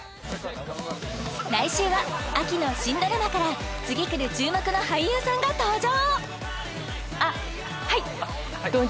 来週は秋の新ドラマから次くる注目の俳優さんが登場！